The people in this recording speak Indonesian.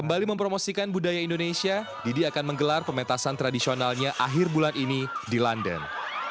kembali mempromosikan budaya indonesia didi akan menggelar pemetasan tradisionalnya akhir bulan ini di london